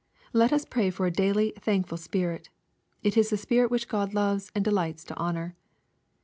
Let us pray for a daily thankful spirit. It is the spirit which God loves and delights to honor.